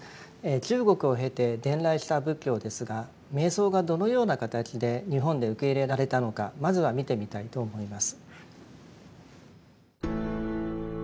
中国を経て伝来した仏教ですが瞑想がどのような形で日本で受け入れられたのかまずは見てみたいと思います。